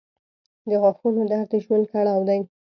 • د غاښونو درد د ژوند کړاو دی.